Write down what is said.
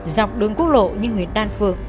dọc đường quốc lộ như huyện đan phượng